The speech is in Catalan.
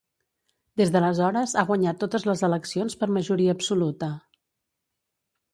Des d'aleshores ha guanyat totes les eleccions per majoria absoluta.